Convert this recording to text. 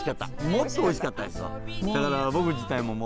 もっとおいしかったですよ。